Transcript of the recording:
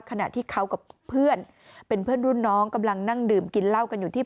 ขณะที่เขากับเพื่อนเป็นเพื่อนรุ่นน้องกำลังนั่งดื่มกินเหล้ากันอยู่ที่